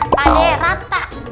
pak de rata